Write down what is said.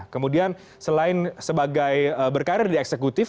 kemudian selain sebagai berkarir di eksekutif